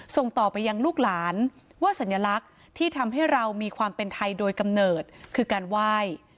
ส่งต่อไปยังลูกหลานว่าสัญลักษณ์ที่ทำให้เรามีความเป็นไทยโดยกำเนิดคือการไหว้